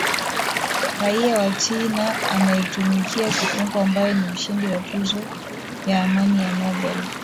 raia wa china anayetumikia kifungo ambaye ni mshindi wa tuzo ya amani ya nobel